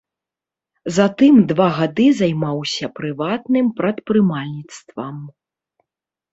Затым два гады займаўся прыватным прадпрымальніцтвам.